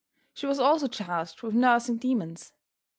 She was also charged with nursing demons.